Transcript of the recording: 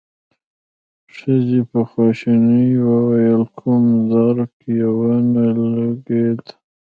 ښځې په خواشينۍ وويل: کوم درک يې ونه لګېد؟